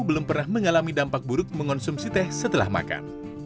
belum pernah mengalami dampak buruk mengonsumsi teh setelah makan